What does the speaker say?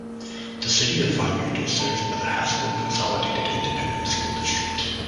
The City of Weinert is served by the Haskell Consolidated Independent School District.